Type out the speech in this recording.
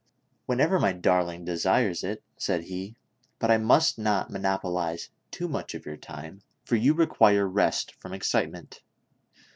"Whenever my darling desires it," said he; "but I must not monopolize too much of your time, for you re quire rest from excitement."